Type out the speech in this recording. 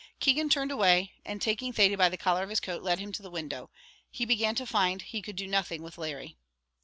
Keegan turned away, and taking Thady by the collar of his coat, led him to the window; he began to find he could do nothing with Larry.